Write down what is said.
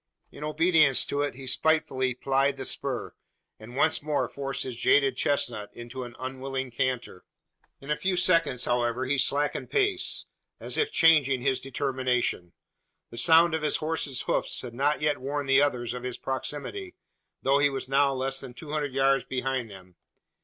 In obedience to it he spitefully plied the spur; and once more forced his jaded chestnut into an unwilling canter. In a few seconds, however, he slackened pace as if changing his determination. The sound of his horse's hoofs had not yet warned the others of his proximity though he was now less than two hundred yards behind them!